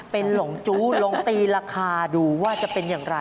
เป็นหลงจู้ลองตีราคาดูว่าจะเป็นอย่างไร